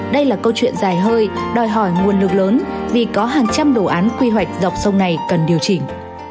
đây là câu chuyện dài hơi đòi hỏi nguồn lực lớn vì có hàng trăm đồ án quy hoạch dọc sông này cần điều chỉnh